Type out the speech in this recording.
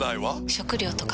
食料とか。